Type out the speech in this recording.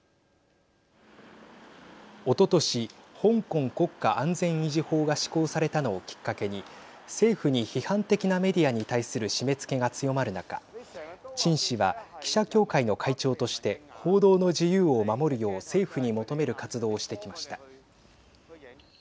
おととし、香港国家安全維持法が施行されたのをきっかけに政府に批判的なメディアに対する締めつけが強まる中陳氏は、記者協会の会長として報道の自由を守るよう政府に求める活動をしてきました。